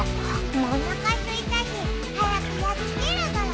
おなかすいたし早くやっつけるゴロ。